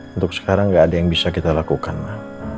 untuk sekarang gak ada yang bisa kita lakukan lah